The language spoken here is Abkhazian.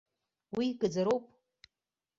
Уи гаӡароуп!